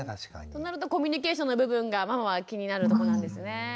となるとコミュニケーションの部分がママは気になるとこなんですね。